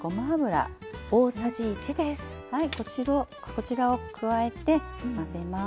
こちらを加えて混ぜます。